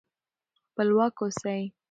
خپلواک اوسئ.